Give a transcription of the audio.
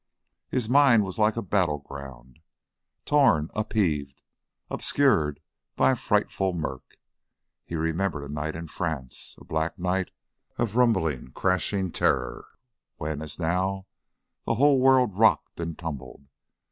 His mind was like a battle ground, torn, up heaved, obscured by a frightful murk he remembered a night in France, a black night of rumbling, crashing terror, when, as now, the whole world rocked and tumbled.